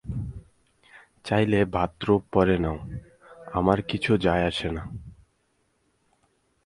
চাইলে বাথরোব পরে নাও, আমার কিছু আসে-যায় না।